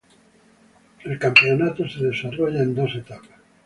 El Campeonato se desarrolla en dos etapas.